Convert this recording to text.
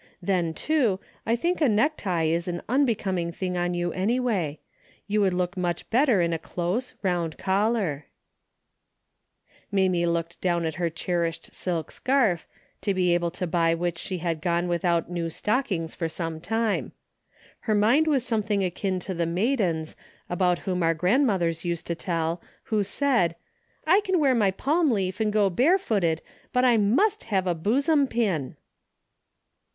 Then too, I think a necktie is an unbe coming thing on you, anyway. You would look much better in a close, round collar." DAILY RATE.'' 239 Mamie looked down at her cherished silk scarf, to be able to buy which she had gone without new stockings for some time. Her mind was something akin to the maiden's about whom our grandmothers used to tell, who said :" I ken wear my palm leaf and go bare footed, but I must have a buzzom pin."